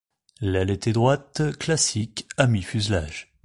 L'aile était droite, classique, à mi-fuselage.